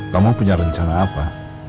kamu punya rencana apa